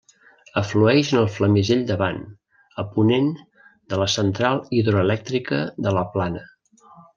Aflueix en el Flamisell davant, a ponent, de la Central hidroelèctrica de la Plana.